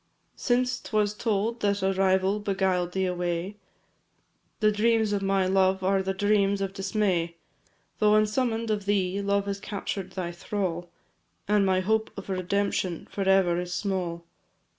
Since 'twas told that a rival beguil'd thee away, The dreams of my love are the dreams of dismay; Though unsummon'd of thee, love has captured thy thrall, And my hope of redemption for ever is small.